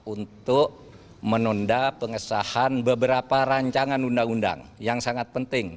untuk menunda pengesahan beberapa rancangan undang undang yang sangat penting